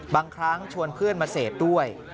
บางครั้งชวนเพื่อนมาเสพด้วย